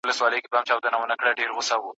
محتسب لېونی ګرځي ړنګه ښکلې میخانه وي